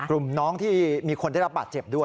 น้องที่มีคนได้รับบาดเจ็บด้วย